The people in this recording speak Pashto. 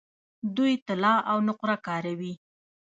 دوی طلا او نقره کاروي.